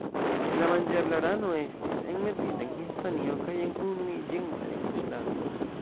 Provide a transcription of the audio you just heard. La manĝebla rano estis enmetita en Hispanio kaj en Unuiĝinta Reĝlando.